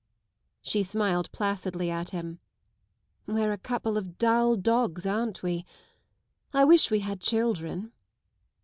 She smiled placidly at him. " We're a couple of dull dogs, aren't we ? I wish we had children."